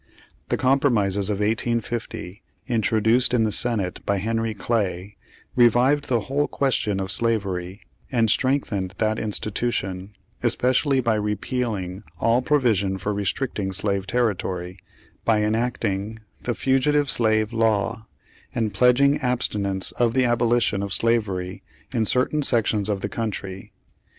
The compromises of 1850, introduced in the Senate by Henry Clay, revived the whole question of slavery, and strengthened that institution, es pecially by repealing all provision for restricting slave territory, by enacting the Fugitive Slave Law, and pledging abstinence of the abolition of slavery in certain sections of the country.